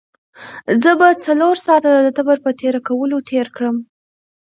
زه به څلور ساعته د تبر په تېره کولو تېر کړم.